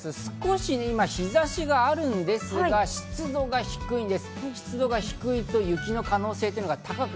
少し今、日差しがあるんですが、湿度が低いんです。